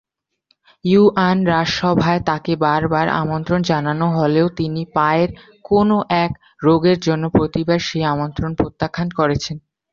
Yuan রাজসভায় তাকে বারবার আমন্ত্রণ জানানো হলেও তিনি পায়ের কোন এক রোগের জন্য প্রতিবার সেই আমন্ত্রণ প্রত্যাখ্যান করেছেন।